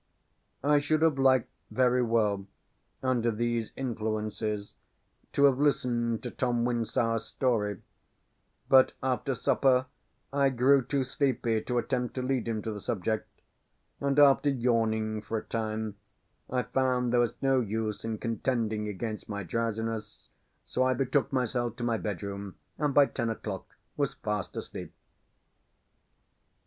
I should have liked very well, under these influences, to have listened to Tom Wyndsour's story; but after supper I grew too sleepy to attempt to lead him to the subject; and after yawning for a time, I found there was no use in contending against my drowsiness, so I betook myself to my bedroom, and by ten o'clock was fast asleep.